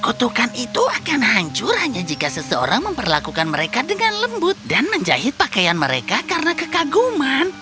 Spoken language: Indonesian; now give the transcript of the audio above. kutukan itu akan hancur hanya jika seseorang memperlakukan mereka dengan lembut dan menjahit pakaian mereka karena kekaguman